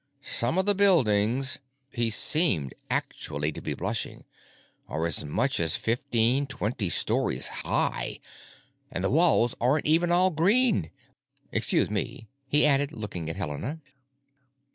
Some of the buildings——" he seemed actually to be blushing——"are as much as fifteen, twenty stories high; and the walls aren't even all green. Excuse me," he added, looking at Helena.